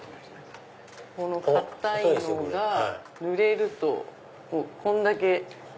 硬いのがぬれるとこんだけ。